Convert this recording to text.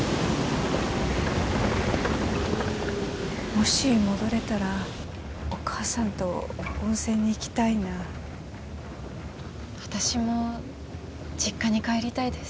もし戻れたらお母さんと温泉に行きたいな私も実家に帰りたいです